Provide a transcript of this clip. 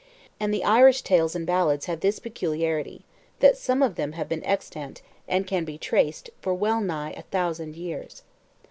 And the Irish tales and ballads have this peculiarity, that some of them have been extant, and can be traced, for well nigh a thousand years.